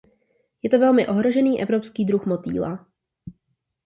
Je to velmi ohrožený evropský druh motýla.